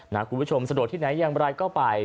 คุณผู้ชมสะดวกที่ไหนอย่างไรก็ไป